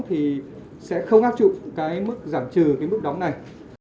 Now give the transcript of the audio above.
thì sẽ không áp trụng mức giảm trừ mức đóng này